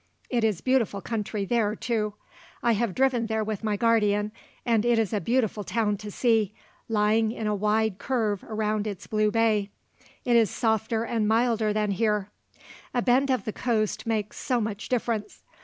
It is beautiful country there, too; I have driven there with my guardian, and it is a beautiful town to see, lying in a wide curve around its blue bay. It is softer and milder than here. A bend of the coast makes so much difference.